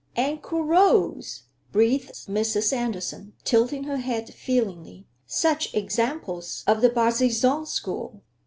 "And Corots," breathed Mrs. Andersen, tilting her head feelingly. "Such examples of the Barbizon school!"